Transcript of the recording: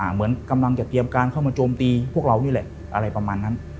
เหมือนกำลังจะเตรียมการเข้ามาโจมตีพวกเรานี่แหละอะไรประมาณนั้น